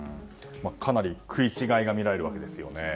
かなり食い違いがみられるわけですよね。